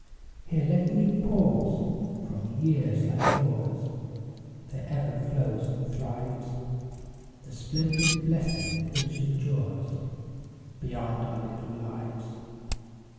Here let me pause! From years like yours There ever flows and thrives The splendid blessing which endures Beyond our little lives.